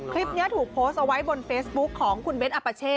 คลิปนี้ถูกโพสต์เอาไว้บนเฟซบุ๊คของคุณเบ้นอัปเช่